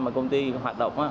mà công ty hoạt động